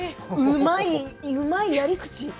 うまいやり口。